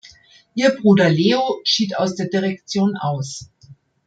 Ihr Bruder Leo schied aus der Direktion aus.